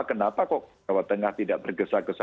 kenapa kok jawa tengah tidak bergesa gesa